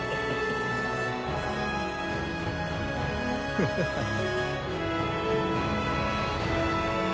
ハハハハ。